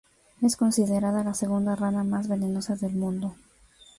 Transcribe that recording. Es considerada la segunda rana más venenosa del mundo.